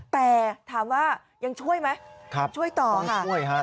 แต่ถามว่ายังช่วยไหมช่วยต่อค่ะช่วยฮะ